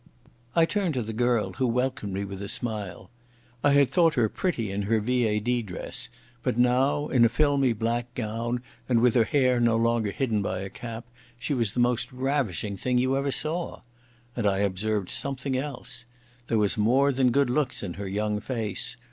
I turned to the girl, who welcomed me with a smile. I had thought her pretty in her V.A.D. dress, but now, in a filmy black gown and with her hair no longer hidden by a cap, she was the most ravishing thing you ever saw. And I observed something else. There was more than good looks in her young face.